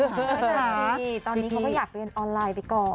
ใช่ตอนนี้เขาก็อยากเรียนออนไลน์ไปก่อน